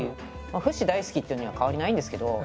フシ大好きっていうのには変わりないんですけど。